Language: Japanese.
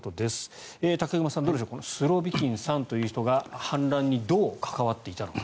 武隈さん、どうでしょうスロビキンさんという人が反乱にどう関わっていたのか。